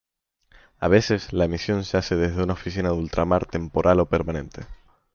A veces la emisión se hace desde una oficina de ultramar temporal o permanente.